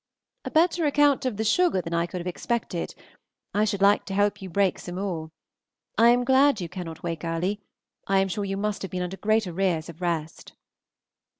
A better account of the sugar than I could have expected. I should like to help you break some more. I am glad you cannot wake early; I am sure you must have been under great arrears of rest.